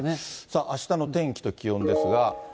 さあ、あしたの天気と気温ですが。